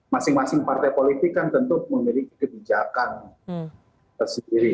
masing masing partai politik kan tentu memiliki kebijakan tersendiri